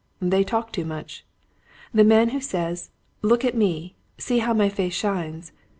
They talk too much. The man who says, "Look at me, see how my face shines